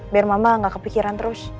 biar mama gak kepikiran terus